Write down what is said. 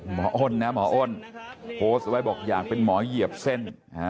อ้นนะหมออ้นโพสต์ไว้บอกอยากเป็นหมอเหยียบเส้น